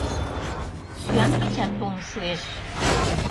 Сӱан кечат толын шуэш.